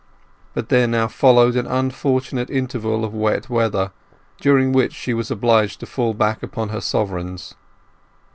But there now followed an unfortunate interval of wet weather, during which she was obliged to fall back upon her sovereigns.